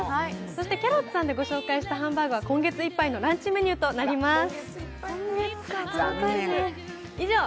そしてキャロットさんでご紹介したハンバーグは、今月いっぱいのランチメニューとなります。